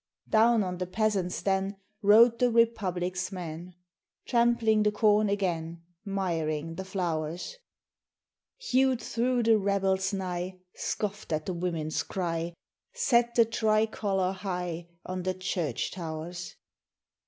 Down on the peasants then Rode the Republic's men, Trampling the corn again, Miring the flowers; Hewed thro' the rebels nigh, Scoffed at the women's cry, Set the tricolor high On the church towers.